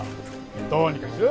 どうにかしろよ